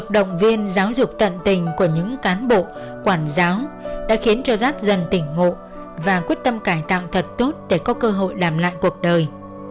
động viên giáo dục tận tình của những cán bộ quản giáo đã khiến cho giáp dần tỉnh ngộ và quyết tâm cải tạo thật tốt để có cơ hội làm lại cuộc đời